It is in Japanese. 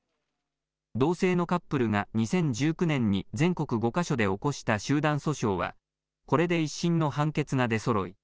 同性のカップルが２０１９年に全国５か所で起こした集団訴訟はこれで１審の判決が出そろい